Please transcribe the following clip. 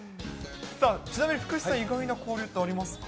ちなみに福士さん、意外な交流ってありますか？